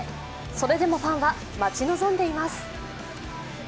それでもファンは待ち望んでいます。